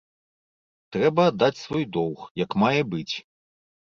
Трэба аддаць свой доўг, як мае быць.